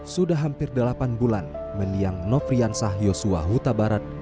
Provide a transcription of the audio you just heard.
sudah hampir delapan bulan mendiang nofriansah yosua huta barat